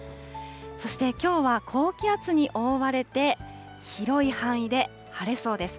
そしてきょうは高気圧に覆われて、広い範囲で晴れそうです。